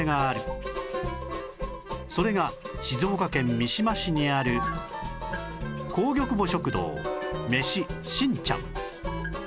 それが静岡県三島市にある光玉母食堂めししんちゃん